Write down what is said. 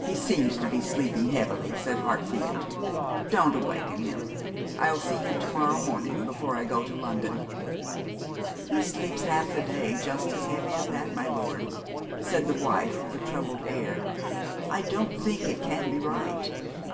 'He seems to be sleeping heavily,' said Hartfield. 'Don't awaken him. I'll see him to morrow morning before I go to London.' 'He sleeps half the day just as heavy as that, my lord,' said the wife, with a troubled air. 'I don't think it can be right.'